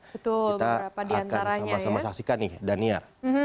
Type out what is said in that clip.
kita akan sama sama saksikan nih daniar